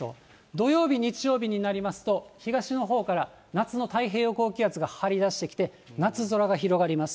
土曜日、日曜日になりますと、東のほうから夏の太平洋高気圧が張り出してきて、夏空が広がります。